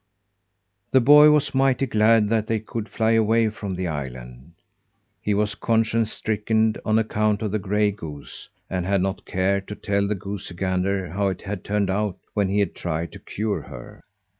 The boy was mighty glad that they could fly away from the island. He was conscience stricken on account of the gray goose, and had not cared to tell the goosey gander how it had turned out when he had tried to cure her.